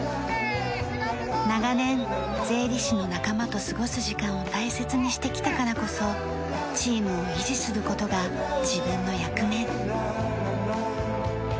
長年税理士の仲間と過ごす時間を大切にしてきたからこそチームを維持する事が自分の役目。